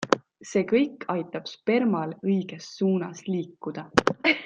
See kõik aitab spermal õiges suunas liikuda.